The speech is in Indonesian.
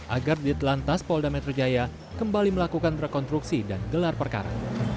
agar ditelantas polda metro jaya kembali melakukan rekonstruksi dan gelar perkara